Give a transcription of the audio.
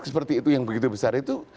seperti itu yang begitu besar itu